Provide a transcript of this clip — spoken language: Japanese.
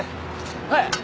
はい。